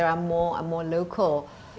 yang lebih lokal